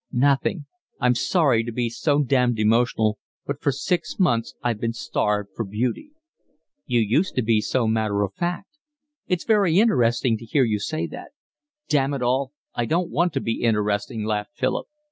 "Nothing. I'm sorry to be so damned emotional, but for six months I've been starved for beauty." "You used to be so matter of fact. It's very interesting to hear you say that." "Damn it all, I don't want to be interesting," laughed Philip.